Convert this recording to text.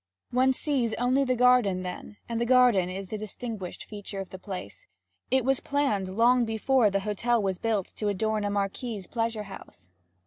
One sees only the garden then, and the garden is the distinguished feature of the place; it was planned long before the hotel was built to adorn a marquis's pleasure house.